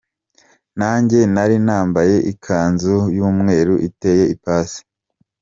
Nanjye nari nambaye ikanzu y’umweru, iteye ipasi.